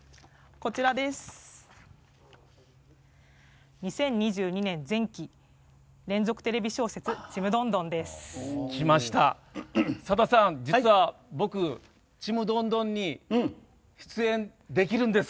こちら、２０２２年前期連続テレビ小説「ちむどんどん」です。